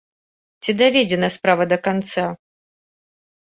Ці даведзена справа да канца?